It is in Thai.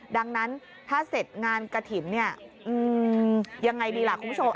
ดังนั้นถ้าเสร็จงานกระถิ่นเนี่ยยังไงดีล่ะคุณผู้ชม